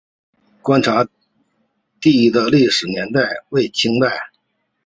观察第的历史年代为清代。